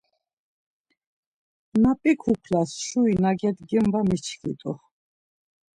Na p̌i kuklas şuri na gedgin var miçkit̆u.